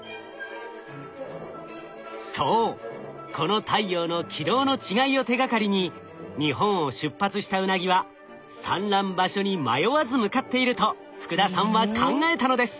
そうこの太陽の軌道の違いを手がかりに日本を出発したウナギは産卵場所に迷わず向かっていると福田さんは考えたのです。